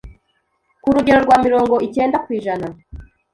ku rugero rwa mirongo icyenda kwijana